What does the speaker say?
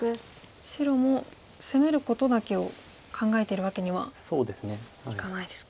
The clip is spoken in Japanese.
白も攻めることだけを考えているわけにはいかないですか。